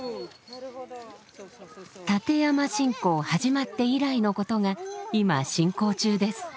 立山信仰始まって以来のことが今進行中です。